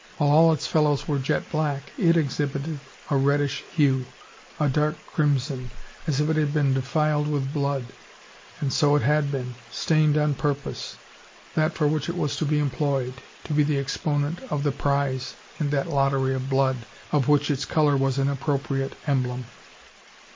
While all its fellows were jet black, it exhibited a reddish hue, a dark crimson, as if it had been defiled with blood. And so it had been; stained on purpose, that for which it was to be employed, to be the exponent of the prize, in that lottery of blood, of which its colour was an appropriate emblem.